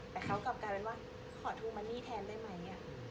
แต่เขากลับกลายเป็นว่าขอทวงมาหนี้แทนได้ไหม